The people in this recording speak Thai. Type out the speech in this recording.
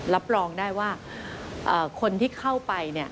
รับรองได้ว่าคนที่เข้าไป